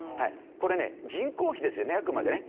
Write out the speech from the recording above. これね人口比ですよねあくまでね。